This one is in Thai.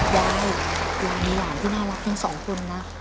ยายยายมีหลานที่น่ารักทั้งสองคนนะ